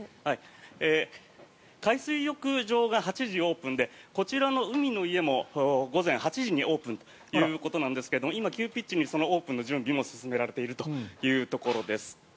海水浴場が８時オープンでこちらの海の家も午前８時にオープンということなんですが今、急ピッチにオープンの準備も進められているというところです。